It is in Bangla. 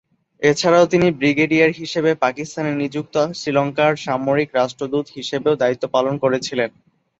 এছাড়াও তিনি ব্রিগেডিয়ার হিসেবে পাকিস্তানে নিযুক্ত শ্রীলঙ্কার সামরিক রাষ্ট্রদূত হিসেবেও দায়িত্ব পালন করেছিলেন।